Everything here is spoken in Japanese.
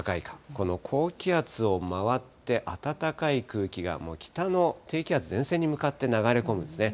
この高気圧を回って、暖かい空気が北の低気圧、前線に向かって流れ込むんですね。